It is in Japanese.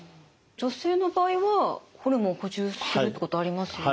女性の場合はホルモンを補充するってことありますよね。